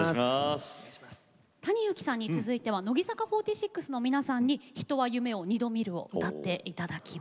ＴａｎｉＹｕｕｋｉさんに続いては乃木坂４６の皆さんに「人は夢を二度見る」を歌って頂きます。